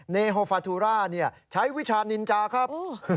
เนโฮฟาทูราใช้วิชานินจาครับ